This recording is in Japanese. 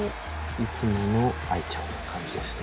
いつもの秋彩ちゃんの感じですね。